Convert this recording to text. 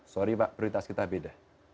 sorry pak prioritas kita beda